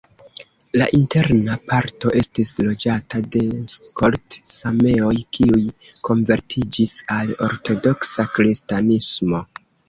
La interna parto estis loĝata de skolt-sameoj, kiuj konvertiĝis al ortodoksa kristanismo.